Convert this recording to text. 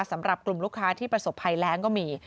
สำหรับกลุ่มลูกค้าที่ประสบภัยแรงก็มี